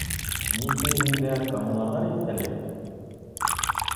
Ни тиһәң дә, коммунарҙар иҫтәлеге.